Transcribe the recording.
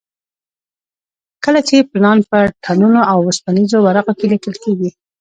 کله چې پلان په ټنونو اوسپنیزو ورقو کې لیکل کېږي.